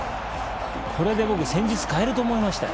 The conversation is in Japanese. これで僕、戦術を変えると思いましたよ。